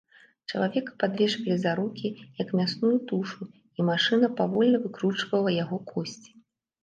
Чалавека падвешвалі за рукі, як мясную тушу, і машына павольна выкручвала яго косці.